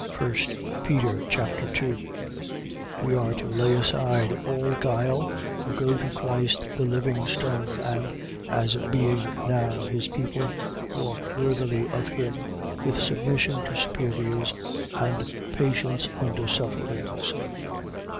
1 Peter Chapter 2 We are to lay aside all guile and go to Christ the living stone, and, as being now his people, walk worthily of him, with submission to superiors and patience under sufferings.